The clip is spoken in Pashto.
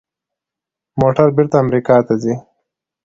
موټرې بیرته امریکا ته ځي.